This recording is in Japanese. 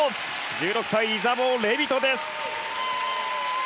１６歳、イザボー・レビトです。